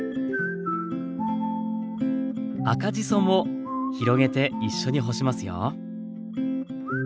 赤じそも広げて一緒に干しますよ。